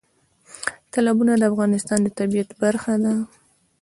تالابونه د افغانستان د طبیعت برخه ده.